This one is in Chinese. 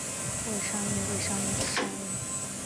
未上映未上映